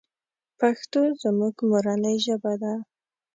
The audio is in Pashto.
پښتو زموږ مورنۍ ژبه ده .